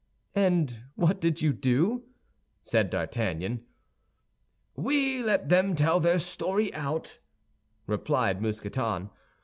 "And what did you do?" said D'Artagnan. "We let them tell their story out," replied Mousqueton.